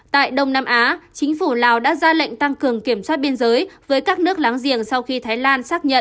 tại đông nam á chính phủ lào đã ra lệnh tăng cường kiểm soát biên giới với các nước láng giềng sau khi thái lan xác nhận